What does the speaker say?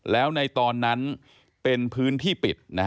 แล้วในตอนนั้นเป็นพื้นที่ปิด